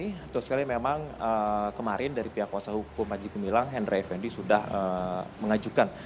tentu sekali memang kemarin dari pihak kuasa hukum panji gumilang henry fnd sudah mengajukan